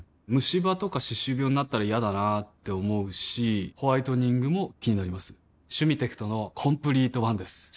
ムシ歯とか歯周病になったら嫌だなって思うしホワイトニングも気になります「シュミテクトのコンプリートワン」です